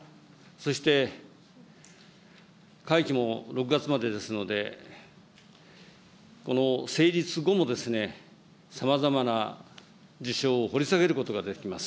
そして会期も６月までですので、この成立後もさまざまな事象を掘り下げることができます。